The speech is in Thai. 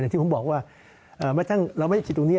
อย่างที่ผมบอกว่าไม่ต้องเราไม่ต้องฉีดตรงนี้